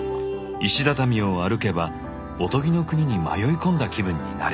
石畳を歩けばおとぎの国に迷い込んだ気分になれるかも！